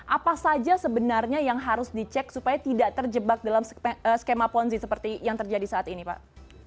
apa saja sebenarnya yang harus dicek supaya tidak terjebak dalam skema ponzi seperti yang terjadi saat ini pak